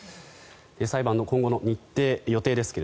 裁判の今後の日程、予定ですが